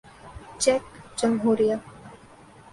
check جمہوریہ